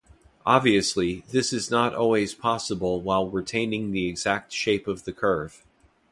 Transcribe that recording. Obviously, this is not always possible while retaining the exact shape of the curve.